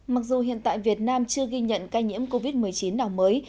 mặc dù hiện tại việt nam chưa ghi nhận ca nhiễm covid một mươi chín nào mới